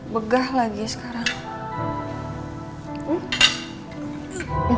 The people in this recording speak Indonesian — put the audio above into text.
begah lagi sekarang